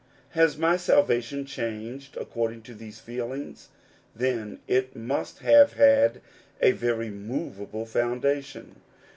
Has my salvation changed according to these feelings? Then it must have had a very movable foundation.